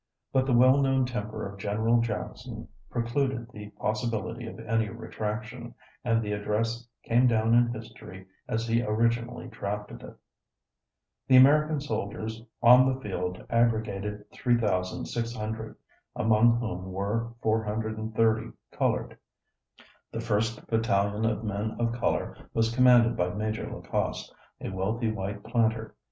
But the well known temper of General Jackson precluded the possibility of any retraction, and the address came down in history as he originally drafted it. The American soldiers on the field aggregated 3,600, among whom were 430 colored. The first battalion of men of color was commanded by Major Lacoste, a wealthy white planter.